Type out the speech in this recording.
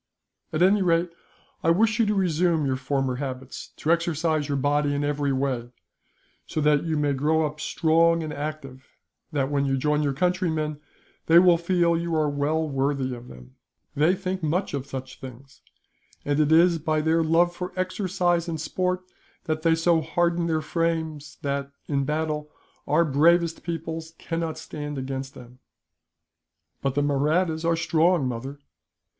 "At any rate, I wish you to resume your former habits, to exercise your body in every way, so that you may grow up so strong and active that, when you join your countrymen, they will feel you are well worthy of them. They think much of such things, and it is by their love for exercise and sport that they so harden their frames that, in battle, our bravest peoples cannot stand against them." "But the Mahrattas are strong, mother?"